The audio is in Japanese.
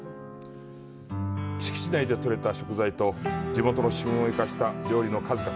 敷地内でとれた食材と地元の旬を生かした料理の数々。